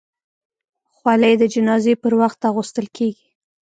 خولۍ د جنازې پر وخت اغوستل کېږي.